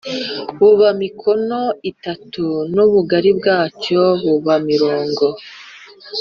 buba mikono itanu n ubugari bwacyo buba mikono